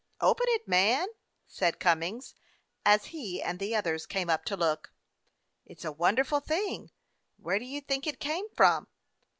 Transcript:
"Open it, man," said Cummings, as he and the others came up to look. "It 's a wonderful thing. Where do you think it came from?"